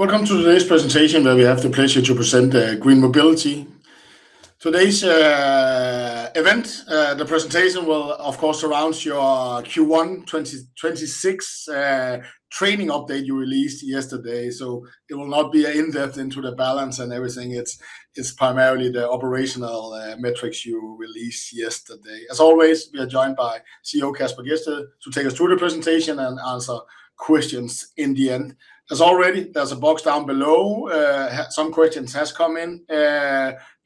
Welcome to today's presentation, where we have the pleasure to present GreenMobility. Today's event, the presentation will, of course, surround your Q1 2026 trading update you released yesterday, so it will not be an in-depth into the balance and everything. It's primarily the operational metrics you released yesterday. As always, we are joined by CEO Kasper Gjedsted to take us through the presentation and answer questions in the end. As already, there's a box down below. Some questions have come in.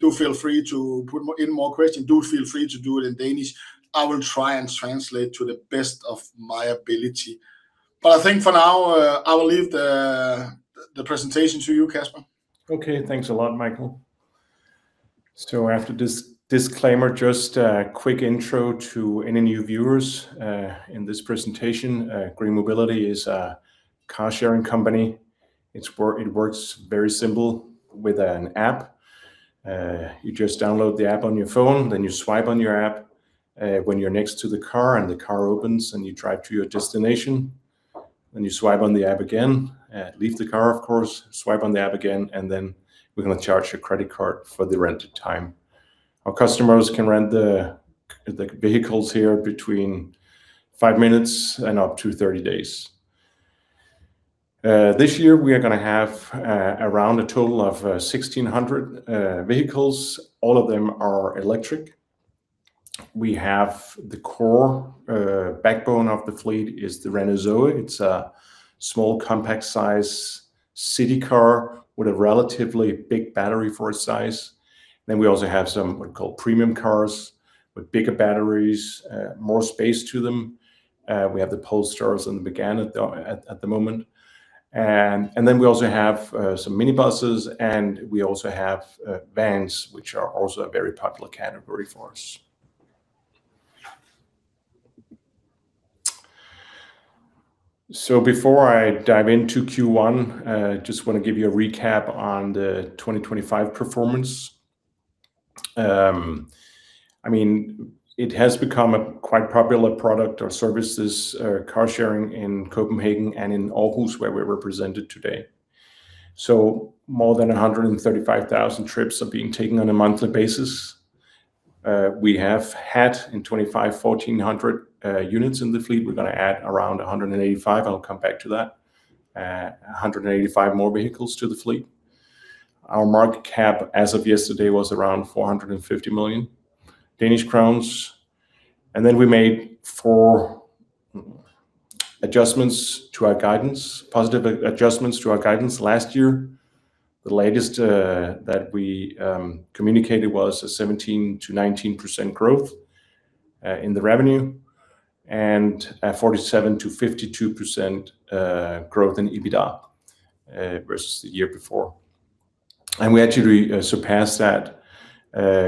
Do feel free to put in more questions. Do feel free to do it in Danish. I will try and translate to the best of my ability. I think for now, I will leave the presentation to you, Kasper. Okay. Thanks a lot, Michael. After this disclaimer, just a quick intro to any new viewers in this presentation. GreenMobility is a car-sharing company. It works very simple with an app. You just download the app on your phone, then you swipe on your app when you're next to the car, and the car opens, and you drive to your destination. Then you swipe on the app again. Leave the car, of course, swipe on the app again, and then we're going to charge your credit card for the rented time. Our customers can rent the vehicles here between five minutes and up to 30 days. This year, we are going to have around a total of 1,600 vehicles. All of them are electric. We have the core backbone of the fleet is the Renault Zoe. It's a small, compact size city car with a relatively big battery for its size. We also have some what are called premium cars with bigger batteries, more space to them. We have the Polestars and the Megane at the moment. We also have some minibuses, and we also have vans, which are also a very popular category for us. Before I dive into Q1, just want to give you a recap on the 2025 performance. It has become a quite popular product or services, car sharing in Copenhagen and in Aarhus, where we're represented today. More than 135,000 trips are being taken on a monthly basis. We have had in 2025, 1,400 units in the fleet. We're going to add around 185. I'll come back to that. 185 more vehicles to the fleet. Our market cap as of yesterday was around 450 million Danish crowns. Then we made four adjustments to our guidance, positive adjustments to our guidance last year. The latest that we communicated was a 17%-19% growth in the revenue and a 47%-52% growth in EBITDA versus the year before. We actually surpassed that.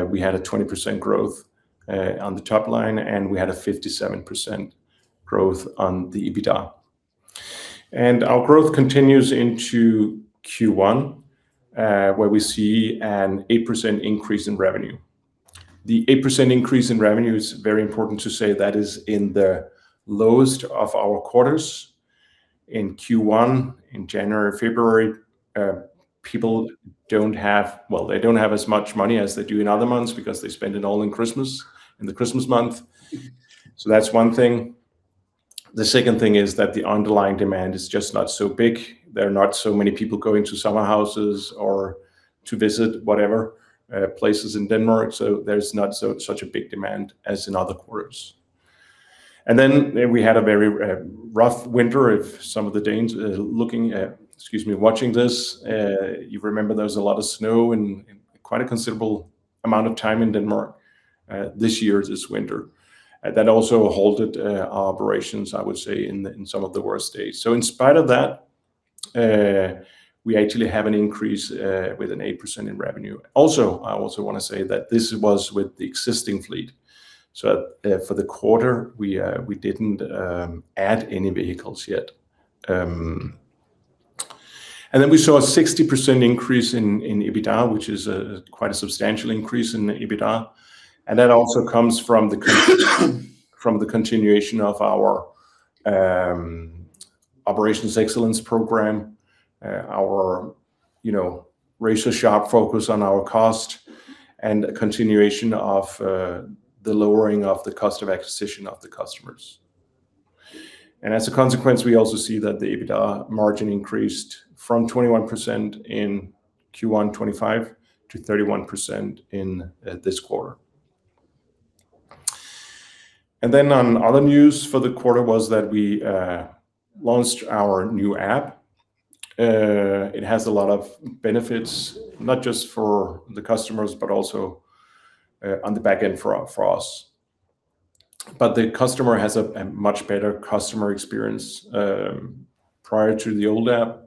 We had a 20% growth on the top line, and we had a 57% growth on the EBITDA. Our growth continues into Q1, where we see an 8% increase in revenue. The 8% increase in revenue is very important to say that is in the lowest of our quarters in Q1, in January, February. People don't have as much money as they do in other months because they spend it all in Christmas, in the Christmas month. That's one thing. The second thing is that the underlying demand is just not so big. There are not so many people going to summer houses or to visit whatever places in Denmark. There's not such a big demand as in other quarters. We had a very rough winter. If some of the Danes watching this, you remember there was a lot of snow and quite a considerable amount of time in Denmark this year, this winter. That also halted our operations, I would say, in some of the worst days. In spite of that, we actually have an increase with an 8% in revenue. Also, I also want to say that this was with the existing fleet. For the quarter, we didn't add any vehicles yet. We saw a 60% increase in EBITDA, which is quite a substantial increase in the EBITDA. That also comes from the continuation of our operations excellence program, our razor-sharp focus on our cost, and a continuation of the lowering of the cost of acquisition of the customers. As a consequence, we also see that the EBITDA margin increased from 21% in Q1 2025 to 31% in this quarter. Then, on other news for the quarter, was that we launched our new app. It has a lot of benefits, not just for the customers, but also on the back end for us. The customer has a much better customer experience prior to the old app.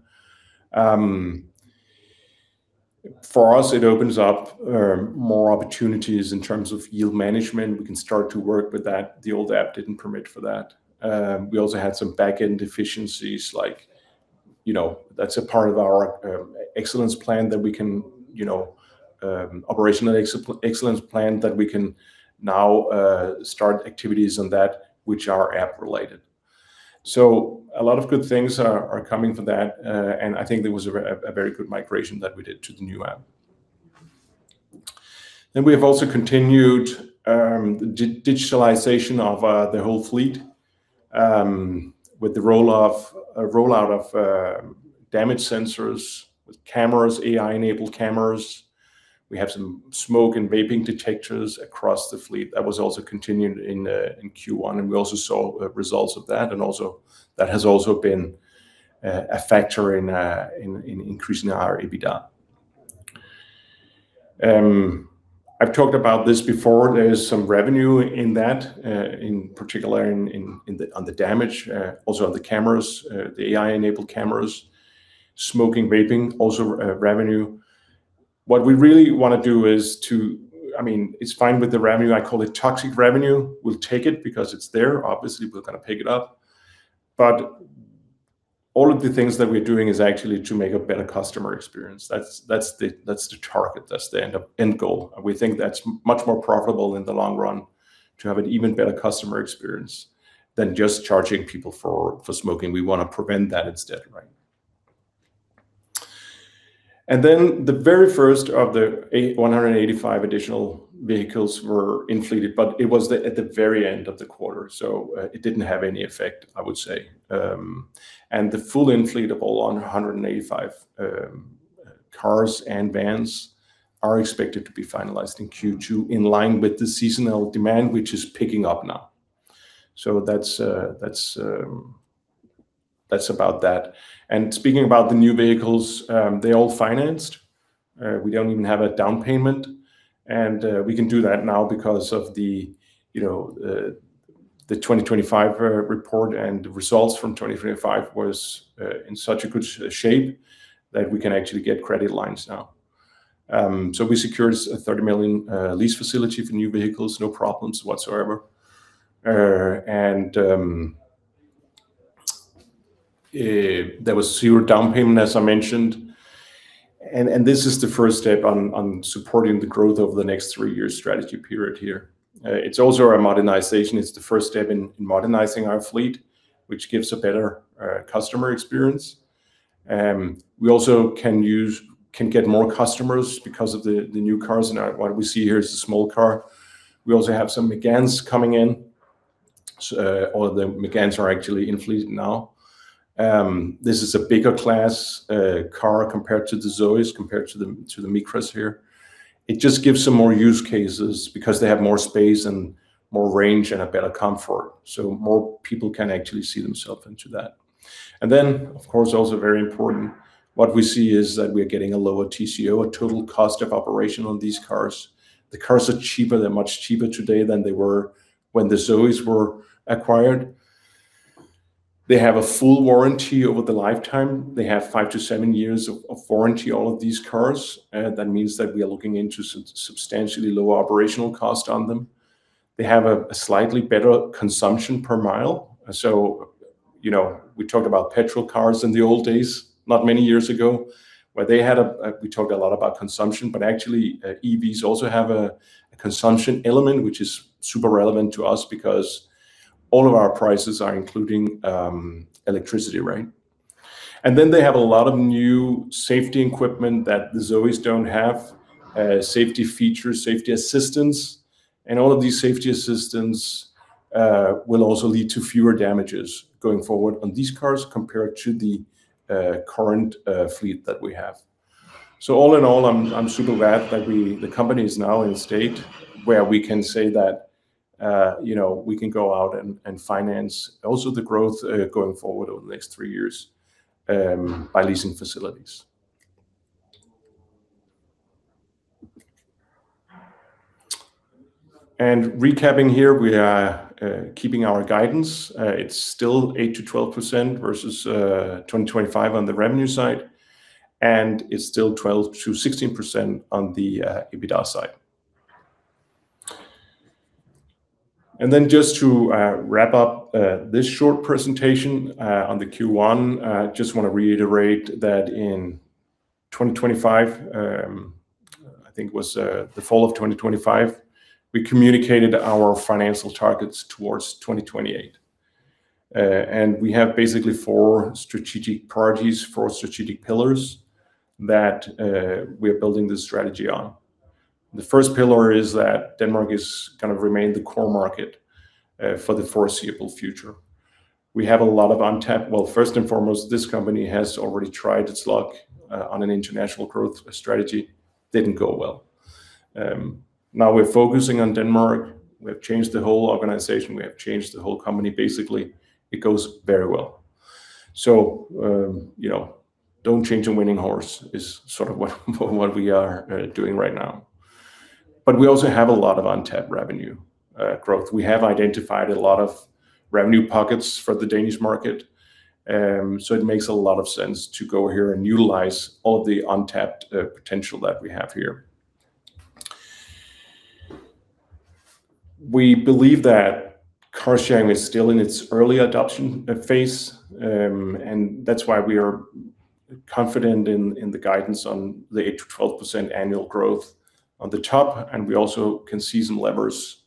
For us, it opens up more opportunities in terms of yield management. We can start to work with that. The old app didn't permit for that. We also had some back-end deficiencies, like that's a part of our operational excellence plan, that we can now start activities on that which are app-related. A lot of good things are coming from that. I think there was a very good migration that we did to the new app. We have also continued the digitalization of the whole fleet with the rollout of damage sensors, with cameras, AI-enabled cameras. We have some smoke and vaping detectors across the fleet. That was also continued in Q1, and we also saw results of that. That has also been a factor in increasing our EBITDA. I've talked about this before. There is some revenue in that, in particular on the damage, also on the cameras, the AI-enabled cameras, smoking, vaping, also revenue. What we really want to do is. It's fine with the revenue. I call it toxic revenue. We'll take it because it's there. Obviously, we're going to pick it up. All of the things that we're doing is actually to make a better customer experience. That's the target. That's the end goal. We think that's much more profitable in the long run to have an even better customer experience than just charging people for smoking. We want to prevent that instead. Then the very first of the 185 additional vehicles were in fleet, but it was at the very end of the quarter, so it didn't have any effect, I would say. The full in-fleet of all 185 cars and vans are expected to be finalized in Q2 in line with the seasonal demand, which is picking up now. That's about that. Speaking about the new vehicles, they're all financed. We don't even have a down payment. We can do that now because of the 2025 report, and the results from 2025 was in such a good shape that we can actually get credit lines now. We secured a 30 million lease facility for new vehicles, no problems whatsoever. There was zero down payment, as I mentioned. This is the first step on supporting the growth over the next three-year strategy period here. It's also our modernization. It's the first step in modernizing our fleet, which gives a better customer experience. We also can get more customers because of the new cars. What we see here is a small car. We also have some Meganes coming in. All of the Meganes are actually in fleet now. This is a bigger class car compared to the Zoes, compared to the Micras here. It just gives some more use cases because they have more space and more range, and a better comfort. More people can actually see themselves into that. Of course, also very important, what we see is that we are getting a lower TCO, a total cost of operation on these cars. The cars are cheaper. They're much cheaper today than they were when the Zoes were acquired. They have a full warranty over the lifetime. They have 5-7 years of warranty, all of these cars. That means that we are looking into substantially lower operational cost on them. They have a slightly better consumption per mile. We talked about petrol cars in the old days, not many years ago, where we talked a lot about consumption, but actually, EVs also have a consumption element, which is super relevant to us because all of our prices are including electricity. Then they have a lot of new safety equipment that the Zoes don't have, safety features, safety assistance, and all of these safety assistance will also lead to fewer damages going forward on these cars compared to the current fleet that we have. All in all, I'm super glad that the company is now in a state where we can say that we can go out and finance also the growth going forward over the next three years by leasing facilities. Recapping here, we are keeping our guidance. It's still 8%-12% versus 2025 on the revenue side, and it's still 12%-16% on the EBITDA side. Then, just to wrap up this short presentation on the Q1, I just want to reiterate that in 2025, I think it was the fall of 2025, we communicated our financial targets towards 2028. We have basically four strategic priorities, four strategic pillars that we are building this strategy on. The first pillar is that Denmark has remained the core market for the foreseeable future. Well, first and foremost, this company has already tried its luck on an international growth strategy. Didn't go well. Now we're focusing on Denmark. We have changed the whole organization. We have changed the whole company, basically. It goes very well. Don't change a winning horse is sort of what we are doing right now. We also have a lot of untapped revenue growth. We have identified a lot of revenue pockets for the Danish market. It makes a lot of sense to go here and utilize all the untapped potential that we have here. We believe that car sharing is still in its early adoption phase, and that's why we are confident in the guidance on the 8%-12% annual growth on the top. We also can see some levers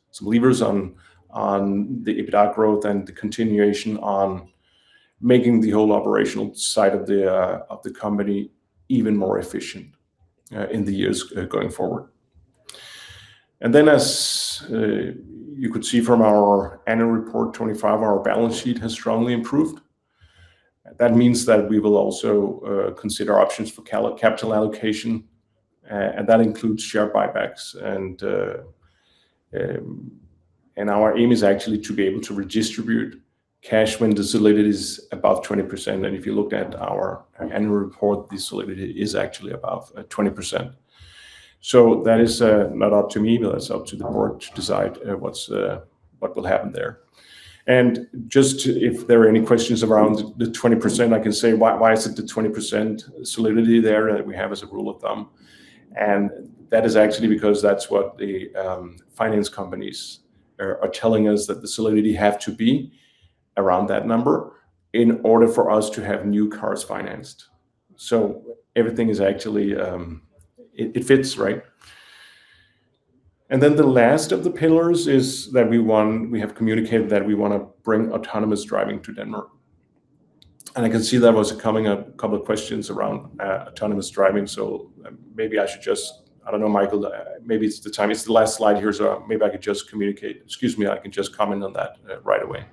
on the EBITDA growth and the continuation on making the whole operational side of the company even more efficient in the years going forward. As you could see from our annual report 2025, our balance sheet has strongly improved. That means that we will also consider options for capital allocation, and that includes share buybacks. Our aim is actually to be able to redistribute cash when the solidity is above 20%. If you look at our annual report, the solidity is actually above 20%. That is not up to me, but that's up to the board to decide what will happen there. If there are any questions around the 20%, I can say why is it the 20% solidity there that we have as a rule of thumb. That is actually because that's what the finance companies are telling us, that the solidity have to be around that number in order for us to have new cars financed. Everything, it fits. Then, the last of the pillars is that we have communicated that we want to bring autonomous driving to Denmark. I can see there was coming a couple of questions around autonomous driving. Maybe I should just, I don't know, Michael, maybe it's the time. It's the last slide here, so maybe I could just communicate. Excuse me, I can just comment on that right away.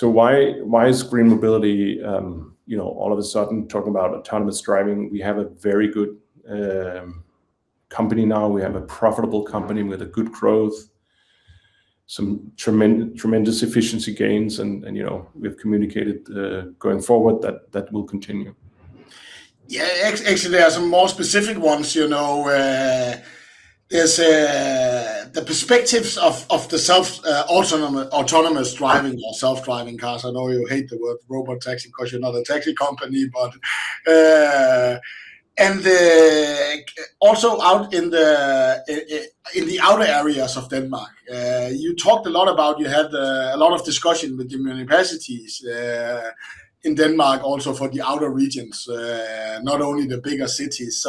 Why is GreenMobility all of a sudden talking about autonomous driving? We have a very good company now. We have a profitable company with a good growth, some tremendous efficiency gains, and we've communicated going forward that will continue. Yeah. Actually, there are some more specific ones. There's the perspectives of the autonomous driving or self-driving cars. I know you hate the word robotaxi because you're not a taxi company, but also out in the outer areas of Denmark. You talked a lot about, you had a lot of discussion with the municipalities, in Denmark also for the outer regions, not only the bigger cities.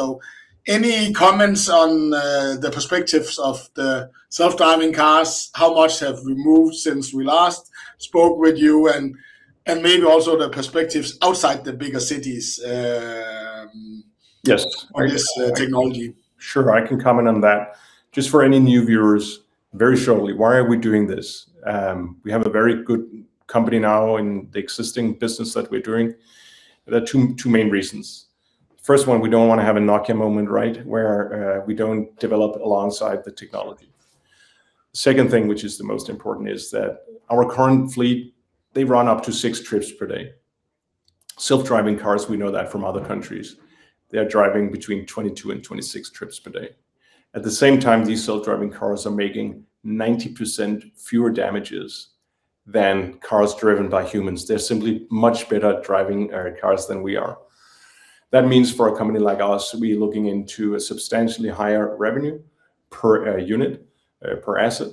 Any comments on the perspectives of the self-driving cars? How much have we moved since we last spoke with you, and maybe also the perspectives outside the bigger cities? Yes On this technology. Sure, I can comment on that. Just for any new viewers, very shortly, why are we doing this? We have a very good company now in the existing business that we're doing. There are two main reasons. First one, we don't want to have a Nokia moment where we don't develop alongside the technology. Second thing, which is the most important, is that our current fleet they run up to six trips per day. Self-driving cars, we know that from other countries. They are driving 22-26 trips per day. At the same time, these self-driving cars are making 90% fewer damages than cars driven by humans. They're simply much better at driving cars than we are. That means for a company like us, we're looking into a substantially higher revenue per unit, per asset,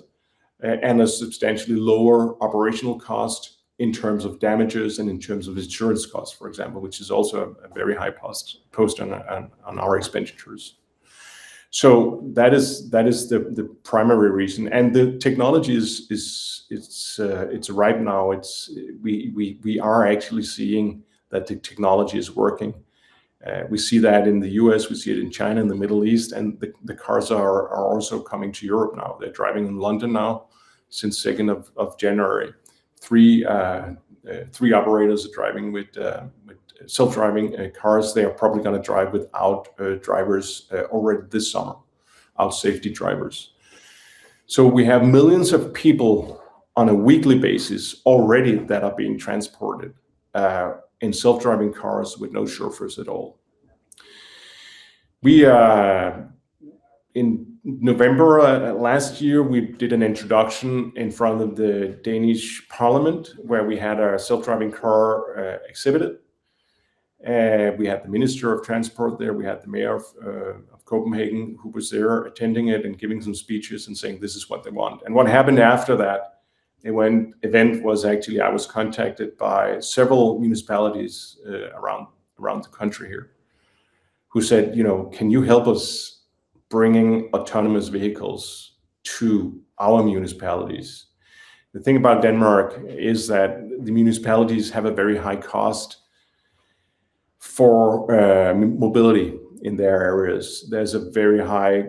and a substantially lower operational cost in terms of damages and in terms of insurance costs, for example, which is also a very high cost on our expenditures. That is the primary reason. The technology is right now. We are actually seeing that the technology is working. We see that in the U.S., we see it in China and the Middle East, and the cars are also coming to Europe now. They're driving in London now since 2nd of January. Three operators are driving with self-driving cars. They are probably going to drive without drivers already this summer, our safety drivers. We have millions of people on a weekly basis already that are being transported in self-driving cars with no chauffeurs at all. In November last year, we did an introduction in front of the Danish Parliament where we had our self-driving car exhibited. We had the Minister of Transport there. We had the Mayor of Copenhagen, who was there attending it and giving some speeches and saying this is what they want. What happened after that event was actually, I was contacted by several municipalities around the country here who said, "Can you help us bringing autonomous vehicles to our municipalities?" The thing about Denmark is that the municipalities have a very high cost for mobility in their areas. There's a very high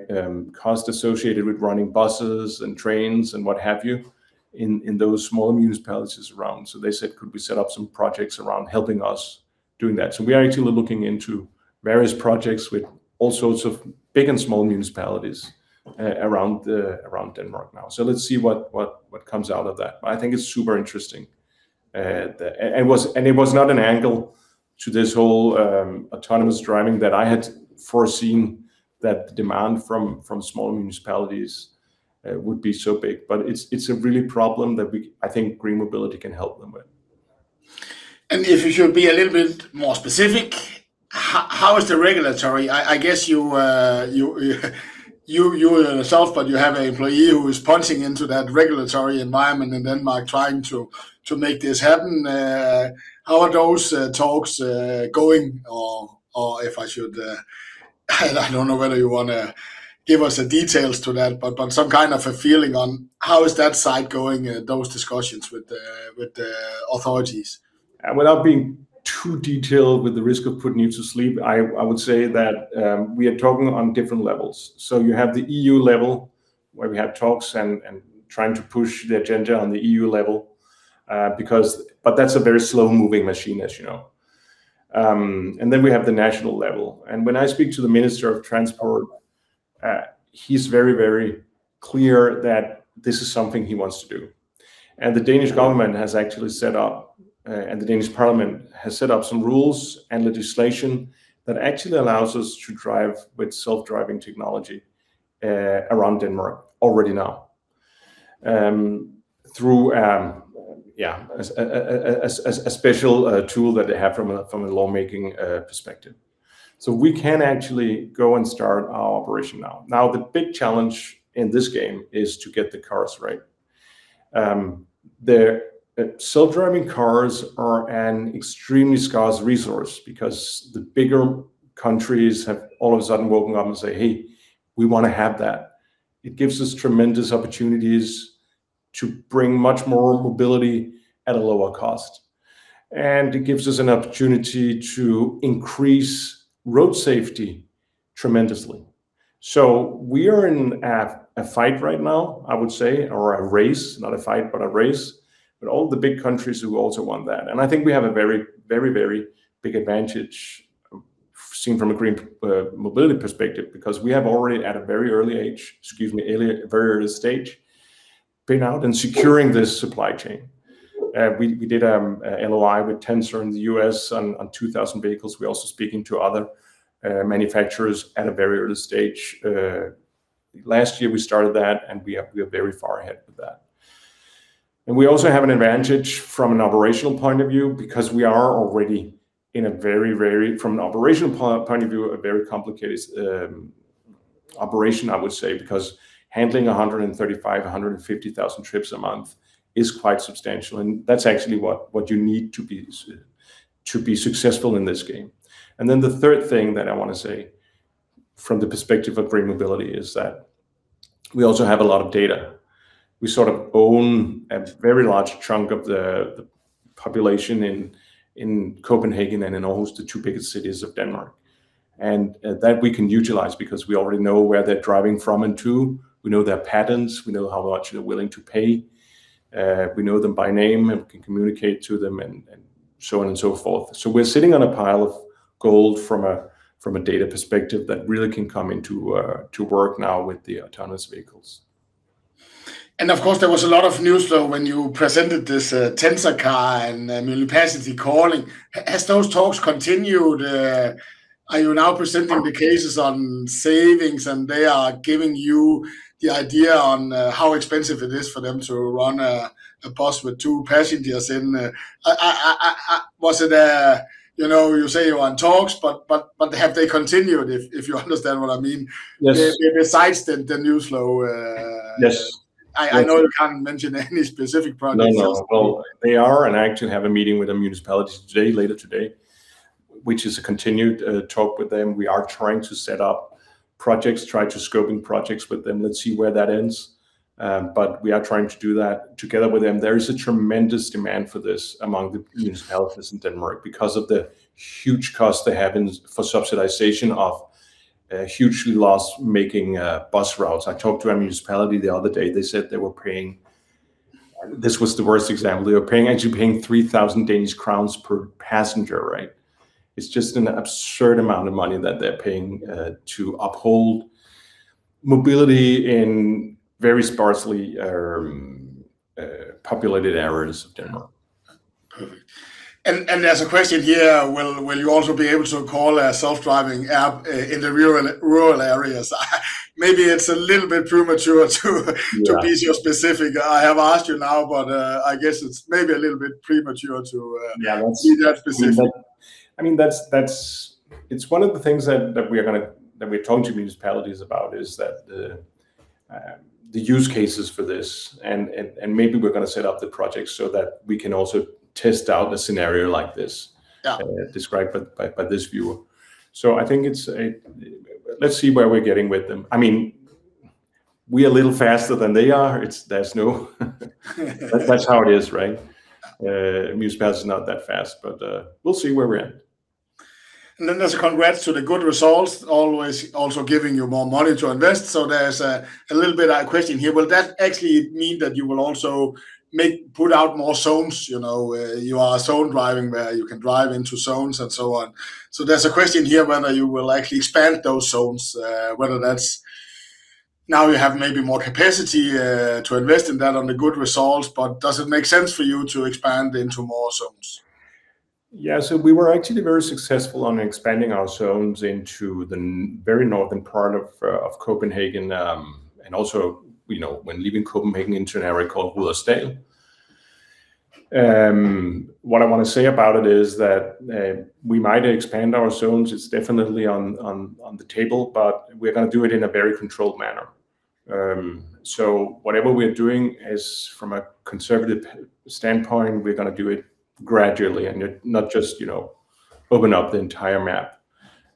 cost associated with running buses and trains and what have you in those small municipalities around. They said, "Could we set up some projects around helping us doing that?" We are actually looking into various projects with all sorts of big and small municipalities around Denmark now. Let's see what comes out of that. I think it's super interesting. It was not an angle to this whole autonomous driving that I had foreseen that demand from small municipalities would be so big. It's a real problem that I think GreenMobility can help them with. If you should be a little bit more specific, how is the regulatory? I guess you yourself, but you have an employee who is punching into that regulatory environment in Denmark, trying to make this happen. How are those talks going? Or if I should, I don't know whether you want to give us the details to that, but some kind of a feeling on how is that side going, those discussions with the authorities? Without being too detailed with the risk of putting you to sleep, I would say that we are talking on different levels. You have the EU level, where we have talks and trying to push the agenda on the EU level. That's a very slow-moving machine, as you know. We have the national level, and when I speak to the Minister of Transport, he's very clear that this is something he wants to do. The Danish government has actually set up, and the Danish Parliament has set up some rules and legislation that actually allows us to drive with self-driving technology around Denmark already now through a special tool that they have from a law-making perspective. We can actually go and start our operation now. Now, the big challenge in this game is to get the cars right. Self-driving cars are an extremely scarce resource because the bigger countries have all of a sudden woken up and say, "Hey, we want to have that." It gives us tremendous opportunities to bring much more mobility at a lower cost, and it gives us an opportunity to increase road safety tremendously. We are in a fight right now, I would say, or a race. Not a fight, but a race with all the big countries who also want that. I think we have a very big advantage seen from a GreenMobility perspective because we have already, at a very early stage, been out and securing this supply chain. We did an LOI with Tensor in the U.S. on 2,000 vehicles. We're also speaking to other manufacturers at a very early stage. Last year we started that, and we are very far ahead with that. We also have an advantage from an operational point of view because we are already in, from an operational point of view, a very complicated operation, I would say, because handling 135,000, 150,000 trips a month is quite substantial, and that's actually what you need to be successful in this game. Then the third thing that I want to say from the perspective of GreenMobility is that we also have a lot of data. We sort of own a very large chunk of the population in Copenhagen and in almost the two biggest cities of Denmark. That we can utilize because we already know where they're driving from and to, we know their patterns, we know how much they're willing to pay. We know them by name and can communicate to them, and so on and so forth. We're sitting on a pile of gold from a data perspective that really can come into work now with the autonomous vehicles. Of course, there was a lot of news flow when you presented this Tensor car and municipality calling. Have those talks continued? Are you now presenting the cases on savings, and they are giving you the idea on how expensive it is for them to run a bus with two passengers in? You say you are in talks, but have they continued, if you understand what I mean? Yes. Besides the news flow. Yes. I know you can't mention any specific projects. No. Well, they are, and I actually have a meeting with the municipalities today, later today, which is a continued talk with them. We are trying to set up projects, try to scoping projects with them. Let's see where that ends. We are trying to do that together with them. There is a tremendous demand for this among the municipalities in Denmark because of the huge cost they have for subsidization of hugely loss-making bus routes. I talked to a municipality the other day. They said they were paying. This was the worst example. They were actually paying 3,000 Danish crowns per passenger. It's just an absurd amount of money that they're paying to uphold mobility in very sparsely populated areas of Denmark. Perfect. There's a question here, will you also be able to call a self-driving app in the rural areas? Maybe it's a little bit premature to be so specific. I have asked you now, but I guess it's maybe a little bit premature to be that specific. It's one of the things that we're talking to municipalities about, is that the use cases for this, and maybe we're going to set up the project so that we can also test out a scenario like this, described by this viewer. I think let's see where we're getting with them. We are a little faster than they are. That's how it is, right? Municipality is not that fast, but we'll see where we're at. There's congrats to the good results, always also giving you more money to invest. There's a little bit of that question here. Will that actually mean that you will also put out more zones? You are zone driving, where you can drive into zones and so on. There's a question here whether you will actually expand those zones, whether that's now you have maybe more capacity to invest in that on the good results. Does it make sense for you to expand into more zones? Yeah. We were actually very successful on expanding our zones into the very northern part of Copenhagen. Also, when leaving Copenhagen into an area called Hillerød. What I want to say about it is that we might expand our zones. It's definitely on the table, but we're going to do it in a very controlled manner. Whatever we are doing is from a conservative standpoint, we're going to do it gradually and not just open up the entire map.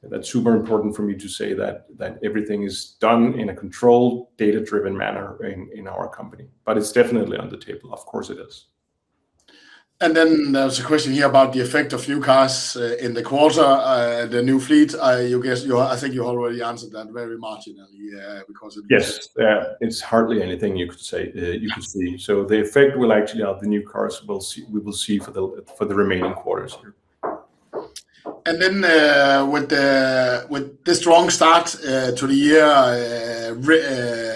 That's super important for me to say that everything is done in a controlled, data-driven manner in our company, but it's definitely on the table. Of course it is. There’s a question here about the effect of new cars in the quarter, the new fleet. I think you already answered that very marginally because it- Yes. It's hardly anything you could see. The effect of the new cars, we will see for the remaining quarters. With the strong start to the year,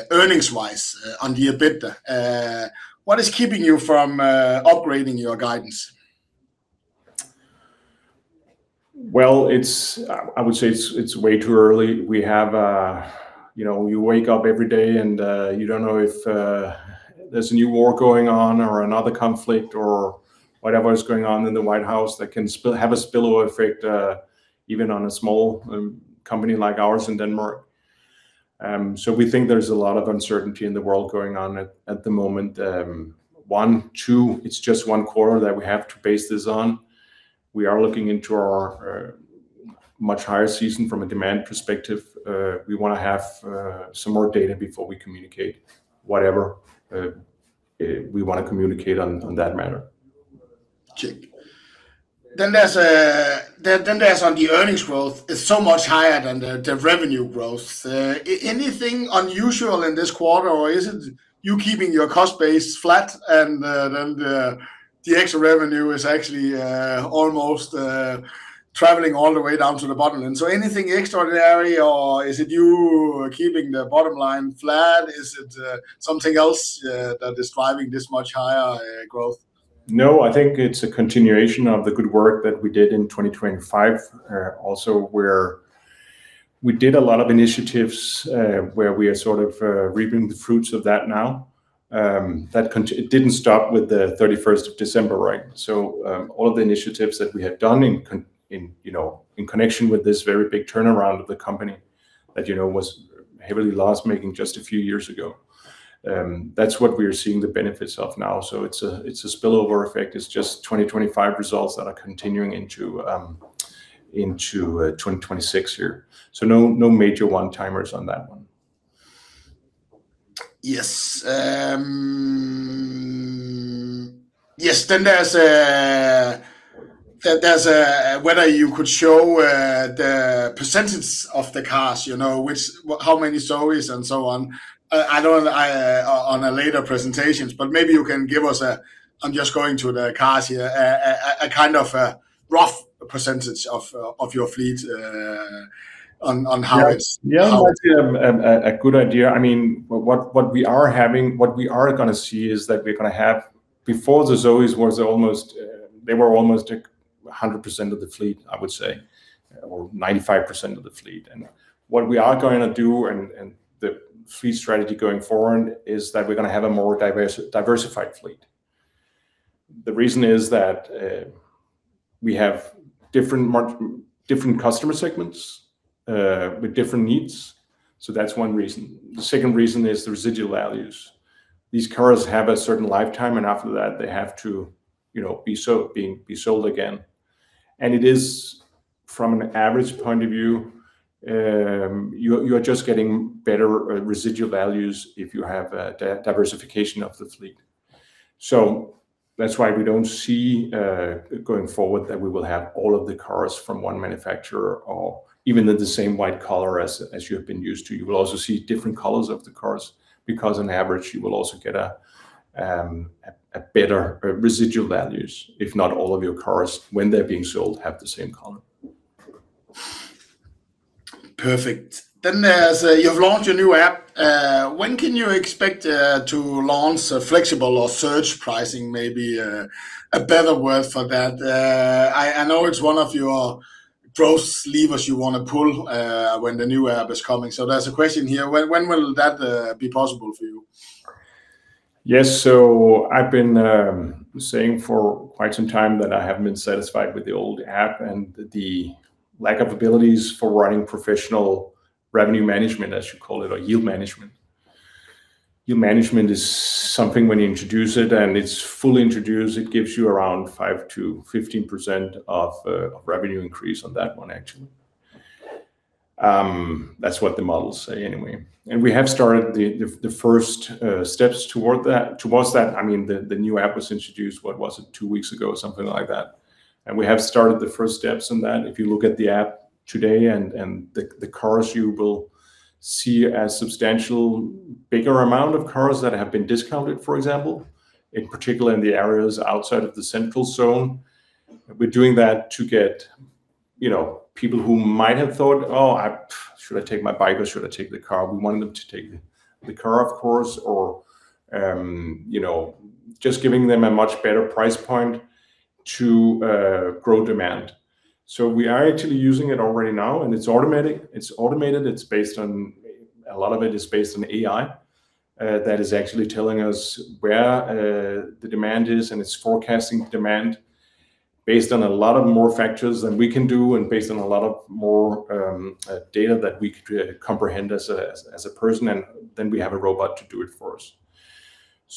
earnings-wise on the EBITDA, what is keeping you from upgrading your guidance? Well, I would say it's way too early. We wake up every day, and you don't know if there's a new war going on or another conflict or whatever is going on in the White House that can have a spillover effect, even on a small company like ours in Denmark. We think there's a lot of uncertainty in the world going on at the moment. One, two, it's just one quarter that we have to base this on. We are looking into our much higher season from a demand perspective. We want to have some more data before we communicate whatever we want to communicate on that matter. The earnings growth is so much higher than the revenue growth. Anything unusual in this quarter, or is it you keeping your cost base flat and then the extra revenue is actually almost traveling all the way down to the bottom line? Anything extraordinary or is it you keeping the bottom line flat? Is it something else that is driving this much higher growth? No, I think it's a continuation of the good work that we did in 2025, also where we did a lot of initiatives, where we are sort of reaping the fruits of that now. It didn't stop with the 31st of December, right? All of the initiatives that we have done in connection with this very big turnaround of the company that was heavily loss-making just a few years ago, that's what we are seeing the benefits of now. It's a spillover effect. It's just 2025 results that are continuing into 2026 here. No major one-timers on that one. Yes. There's whether you could show the percentage of the cars, how many Zoes and so on. I know that in a later presentation, but maybe you can give us a. I'm just going to the cars here, a kind of a rough percentage of your fleet, on how it's- Yeah, that's a good idea. What we are going to see is that we're going to have, before the Zoes, they were almost 100% of the fleet, I would say, or 95% of the fleet. What we are going to do, and the fleet strategy going forward, is that we're going to have a more diversified fleet. The reason is that we have different customer segments with different needs. That's one reason. The second reason is the residual values. These cars have a certain lifetime, and after that, they have to be sold again. It is from an average point of view, you're just getting better residual values if you have a diversification of the fleet. That's why we don't see, going forward, that we will have all of the cars from one manufacturer or even the same white color as you have been used to. You will also see different colors of the cars because, on average, you will also get a better residual values if not all of your cars when they're being sold have the same color. Perfect. There's, you've launched a new app. When can you expect to launch a flexible or surge pricing, maybe, a better word for that? I know it's one of your growth levers you want to pull when the new app is coming. There's a question here, when will that be possible for you? Yes. I've been saying for quite some time that I haven't been satisfied with the old app and the lack of abilities for running professional revenue management, as you call it, or yield management. Yield management is something when you introduce it, and it's fully introduced, it gives you around 5%-15% of revenue increase on that one, actually. That's what the models say anyway. We have started the first steps towards that. The new app was introduced. What was it? Two weeks ago, something like that. We have started the first steps in that. If you look at the app today and the cars, you will see a substantial bigger amount of cars that have been discounted, for example, in particular in the areas outside of the central zone. We're doing that to get people who might have thought, "Oh, should I take my bike or should I take the car?" We want them to take the car, of course, or just giving them a much better price point to grow demand. We are actually using it already now, and it's automated. A lot of it is based on AI, that is actually telling us where the demand is, and it's forecasting demand based on a lot more factors than we can do and based on a lot more data that we could comprehend as a person, and then we have a robot to do it for us.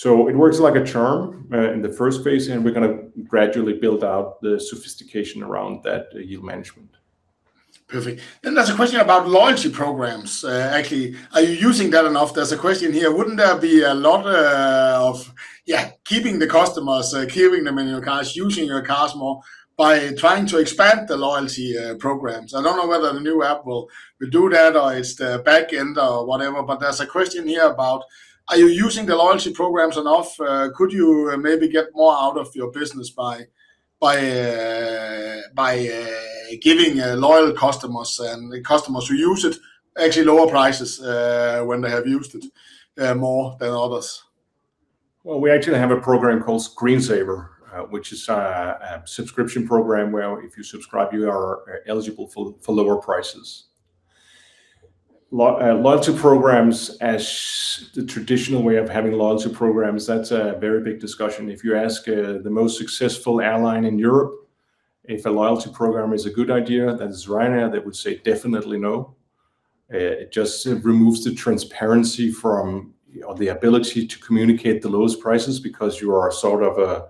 It works like a charm in the first phase, and we're going to gradually build out the sophistication around that yield management. Perfect. There's a question about loyalty programs. Actually, are you using that enough? There's a question here. Wouldn't there be a lot of keeping the customers, keeping them in your cars, using your cars more, by trying to expand the loyalty programs? I don't know whether the new app will do that, or it's the back end or whatever, but there's a question here about are you using the loyalty programs enough? Could you maybe get more out of your business by giving loyal customers and the customers who use it actually lower prices when they have used it more than others? Well, we actually have a program called GreenSaver, which is a subscription program where, if you subscribe, you are eligible for lower prices. Loyalty programs as the traditional way of having loyalty programs, that's a very big discussion. If you ask the most successful airline in Europe if a loyalty program is a good idea, that is Ryanair, they would say definitely no. It just removes the transparency from or the ability to communicate the lowest prices because you are sort of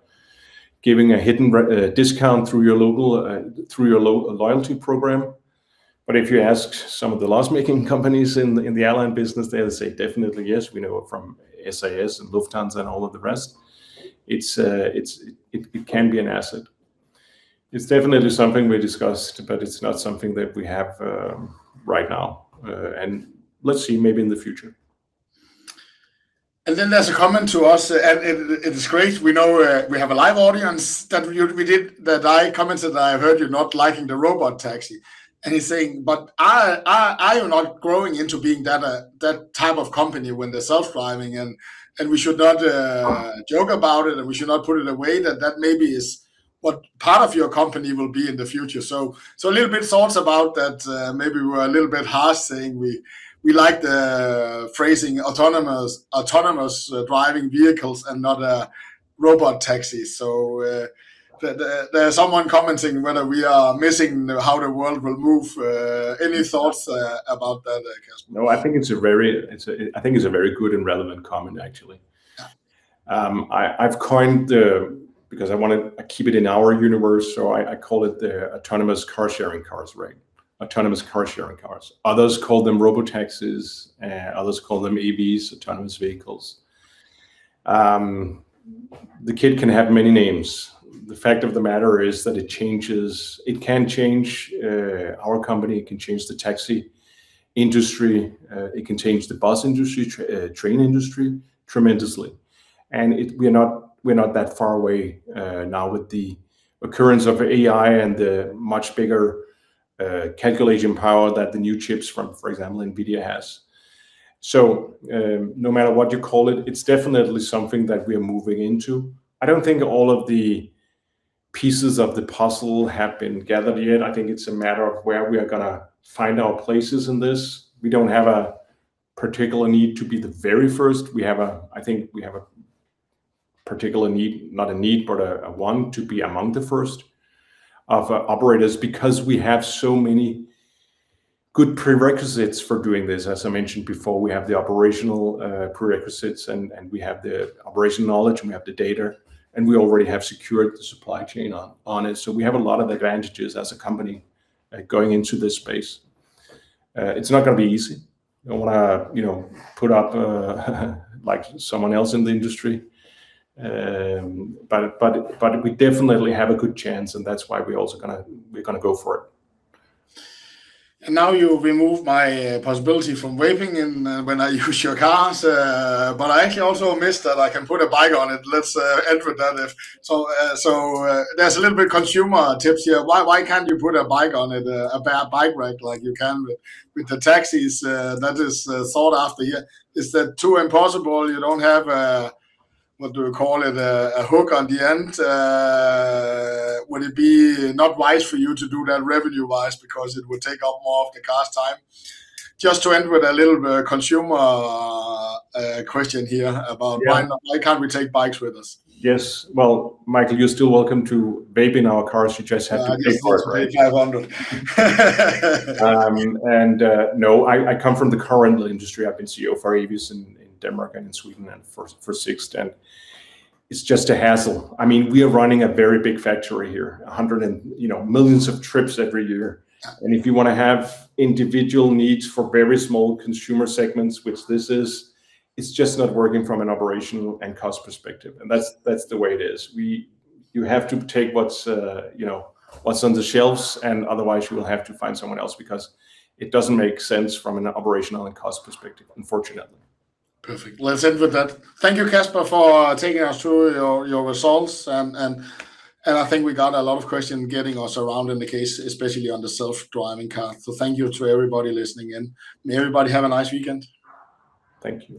giving a hidden discount through your loyalty program. But if you ask some of the loss-making companies in the airline business, they'll say definitely yes. We know from SAS and Lufthansa and all of the rest, it can be an asset. It's definitely something we discussed, but it's not something that we have right now. Let's see, maybe in the future. Then there's a comment to us, and it is great. We know we have a live audience that we did that. I commented, I heard you're not liking the robotaxi. He's saying, but I am not growing into being that type of company when they're self-driving, and we should not joke about it, and we should not put it away. That maybe is what part of your company will be in the future. A little bit thoughts about that, maybe we were a little bit harsh saying we like the phrasing autonomous driving vehicles and not robotaxis. There's someone commenting whether we are missing how the world will move. Any thoughts about that, Kasper? No, I think it's a very good and relevant comment, actually. Yeah. I've coined the autonomous car sharing cars ring because I want to keep it in our universe, so I call it the autonomous car sharing cars ring. Others call them robotaxis, others call them AVs, autonomous vehicles. It can have many names. The fact of the matter is that it can change our company, it can change the taxi industry, it can change the bus industry, train industry tremendously. We're not that far away now with the occurrence of AI and the much bigger calculation power that the new chips from, for example, NVIDIA has. No matter what you call it's definitely something that we are moving into. I don't think all of the pieces of the puzzle have been gathered yet. I think it's a matter of where we are going to find our places in this. We don't have a particular need to be the very first. I think we have a particular need, not a need, but a want to be among the first of operators because we have so many good prerequisites for doing this. As I mentioned before, we have the operational prerequisites, and we have the operational knowledge, and we have the data, and we already have secured the supply chain on it. We have a lot of advantages as a company going into this space. It's not going to be easy. I don't want to put up like someone else in the industry. We definitely have a good chance, and that's why we're also going to go for it. Now you remove my possibility from waving when I use your cars. I actually also missed that I can put a bike on it. Let's end with that. There's a little bit consumer tips here. Why can't you put a bike on it, a bike rack like you can with the taxis? That is afterthought here. Is that too impossible? You don't have a, what do you call it, a hook on the end. Would it be not wise for you to do that revenue-wise because it would take up more of the car's time? Just to end with a little consumer question here about why can't we take bikes with us? Yes. Well, Michael, you're still welcome to vape in our cars. You just have to pay for it, right? I guess that's V500. No, I come from the current industry. I've been CEO for Avis in Denmark and in Sweden and for Sixt, and it's just a hassle. We are running a very big factory here, millions of trips every year, and if you want to have individual needs for very small consumer segments, which this is, it's just not working from an operational and cost perspective. That's the way it is. You have to take what's on the shelves, and otherwise, you will have to find someone else because it doesn't make sense from an operational and cost perspective, unfortunately. Perfect. Let's end with that. Thank you, Kasper, for taking us through your results, and I think we got a lot of questions getting us around in the case, especially on the self-driving car. Thank you to everybody listening in. May everybody have a nice weekend. Thank you.